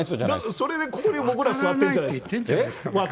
それで僕ら座ってるんじゃないですか。